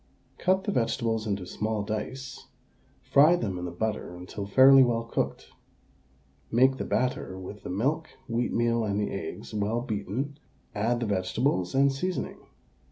Cut the vegetables into small dice; fry them in the butter until fairly well cooked. Make the batter with the milk, wheatmeal, and the eggs well beaten; add the vegetables and seasoning.